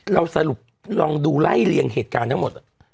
เราสรุปลองดูไล่เลียงเหตุการณ์ทั้งหมด